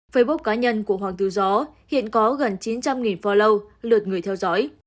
facebook cá nhân của hoàng tử gió hiện có gần chín trăm linh follow lượt người theo dõi